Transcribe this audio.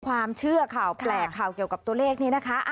ความเชื่อข่าวแปลกข่าวเกี่ยวกับตัวเลขนี้นะคะ